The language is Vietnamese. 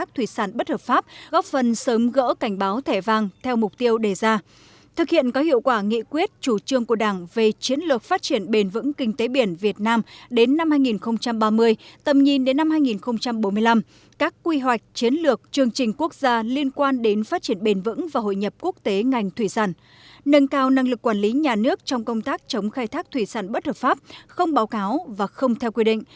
thủy sản bất hợp pháp góp phần sớm gỡ cảnh báo thẻ vàng theo mục tiêu đề ra thực hiện có hiệu quả nghị quyết chủ trương của đảng về chiến lược phát triển bền vững kinh tế biển việt nam đến năm hai nghìn ba mươi tầm nhìn đến năm hai nghìn bốn mươi năm các quy hoạch chiến lược chương trình quốc gia liên quan đến phát triển bền vững và hội nhập quốc tế ngành thủy sản nâng cao năng lực quản lý nhà nước trong công tác chống khai thác thủy sản bất hợp pháp không báo cáo và không theo quy định